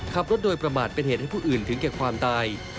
ขับรถโดยประมาทเป็นเหตุให้ผู้อื่นถึงแก่ความตาย